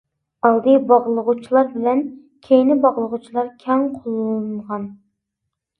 ئالدى باغلىغۇچىلار بىلەن كەينى باغلىغۇچىلار كەڭ قوللىنىلغان.